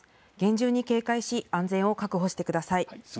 厳重に警戒し安全を確保してください。